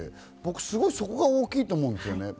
僕、すごくそこが大きいと思うんですよね。